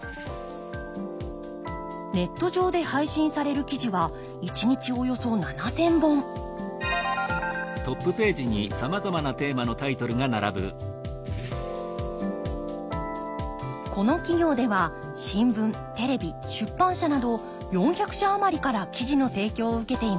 ネット上で配信される記事は一日およそ７，０００本この企業では新聞テレビ出版社など４００社余りから記事の提供を受けています。